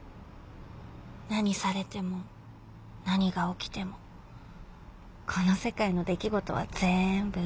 何されても何が起きてもこの世界の出来事はぜーんぶ嘘